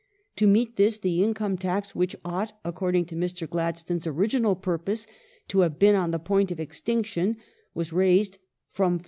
To meet this the income tax, which ought according to Mr. Glad stone's original purpose to have been on the point of extinction, was raised from 5d.